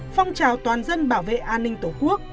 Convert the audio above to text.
phong trào toàn dân bảo vệ an ninh tổ quốc